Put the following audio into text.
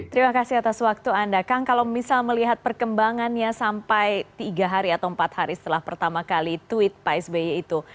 terima kasih atas waktu anda kang kalau misal melihat perkembangannya sampai tiga hari atau empat hari setelah pertama kali tweet pak sby itu